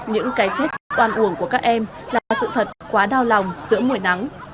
những cái chết oan uổng của các em là sự thật quá đau lòng giữa mùa nắng